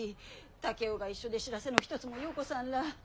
竹雄が一緒で知らせの一つもよこさんらあ